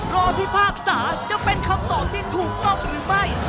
พิพากษาจะเป็นคำตอบที่ถูกต้องหรือไม่